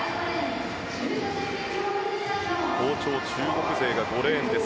好調、中国勢が５レーンです。